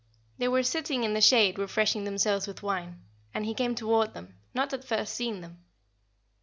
They were sitting in the shade refreshing themselves with wine, and he came toward them, not at first seeing them.